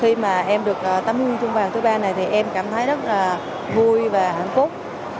khi mà em được tấm huy chương vàng thứ ba này thì em cảm thấy rất là vui và hạnh phúc